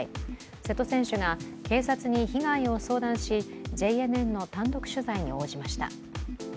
瀬戸選手が警察に被害を相談し、ＪＮＮの単独取材に応じました。